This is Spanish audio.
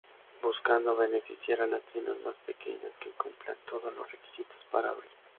Buscando beneficiar a las tiendas más pequeñas que cumplan todos los requisitos para abrir.